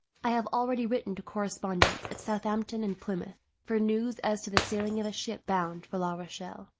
I have already written to correspondents, at Southampton and Plymouth, for news as to the sailing of a ship bound for La Rochelle.